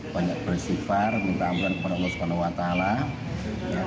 banyak bersifar minta ampun kepada allah swt